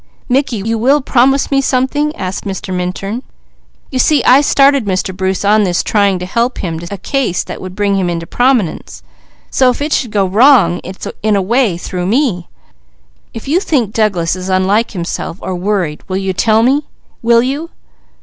"Mickey, you will promise me something?" asked Mr. Minturn. "You see I started Mr. Bruce on this trying to help him to a case that would bring him into prominence, so if it should go wrong, it's in a way through me. If you think Douglas is unlike himself, or worried, will you tell me? Will you?"